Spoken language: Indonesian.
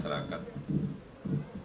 saya mendengar kata kata jokowi